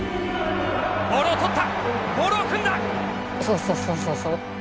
ボールを取った、モールを組んだ。